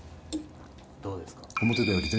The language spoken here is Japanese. どうですか？